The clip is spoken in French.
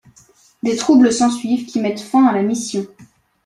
Des troubles s'ensuivent qui mettent fin à la mission.